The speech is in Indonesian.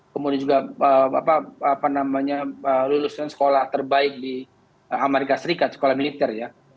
kemudian juga lulusan sekolah terbaik di amerika serikat sekolah militer ya